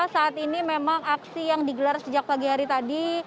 saat ini memang aksi yang digelar sejak pagi hari tadi